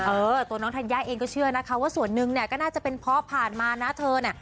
เออตัวน้องธัญญาเองก็เชื่อนะคะว่าส่วนหนึ่งเนี่ยก็น่าจะเป็นเพราะผ่านมานะเธอเนี่ย